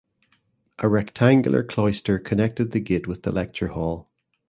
A rectangular cloister connected the gate with the lecture hall.